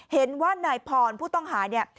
เห็นว่านายพรผู้ต้องหาเนี่ย